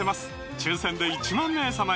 抽選で１万名様に！